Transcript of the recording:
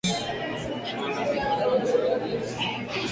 Los adultos se han avistado en febrero y noviembre.